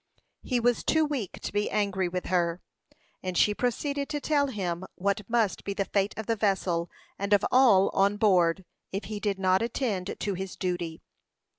He was too weak to be angry with her; and she proceeded to tell him what must be the fate of the vessel, and of all on board, if he did not attend to his duty.